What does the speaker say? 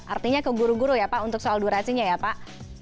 artinya ke guru guru ya pak untuk soal durasinya ya pak